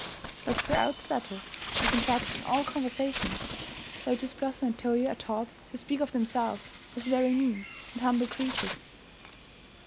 But throughout the letter, as in fact in all conversations, Lotus Blossom and Toyo are taught to speak of themselves as very mean and humble creatures.